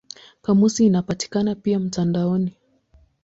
Kamusi inapatikana pia mtandaoni.